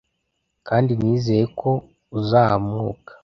kandi nizeye ko uzamuka